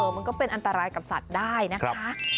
มันก็เป็นอันตรายกับสัตว์ได้นะคะ